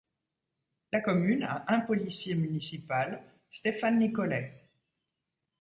La commune a un policier municipal, Stéphane Nicollet.